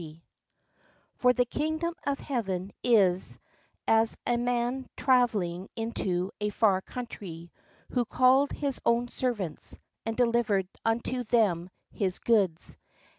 14 30 OR the kingdom of heaven is as a man trav elling into a far country, who called his own servants, and delivered unto them his goods.